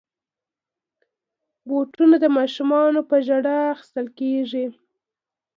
بوټونه د ماشومانو په ژړا اخیستل کېږي.